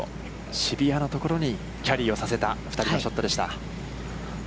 シビアなところにキャリーをさせた、２人のショットでした。